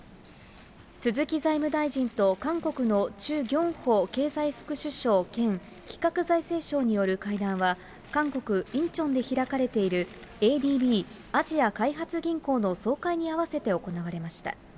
鈴木財務大臣と韓国のチュ・ギョンホ経済副首相兼企画財政相による会談は、韓国・インチョンで開かれているＡＤＢ・アジア開発銀行の総会に合わせて行われました。